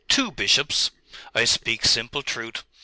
'Two bishops?' 'I speak simple truth.